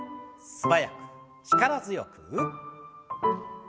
素早く力強く。